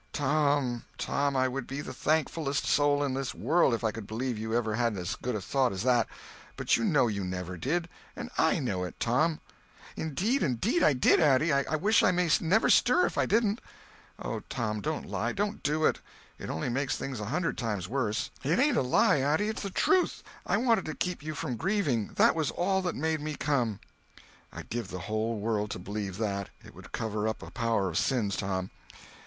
"Tom, Tom, I would be the thankfullest soul in this world if I could believe you ever had as good a thought as that, but you know you never did—and I know it, Tom." "Indeed and 'deed I did, auntie—I wish I may never stir if I didn't." "Oh, Tom, don't lie—don't do it. It only makes things a hundred times worse." "It ain't a lie, auntie; it's the truth. I wanted to keep you from grieving—that was all that made me come." "I'd give the whole world to believe that—it would cover up a power of sins, Tom.